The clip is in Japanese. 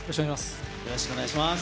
よろしくお願いします。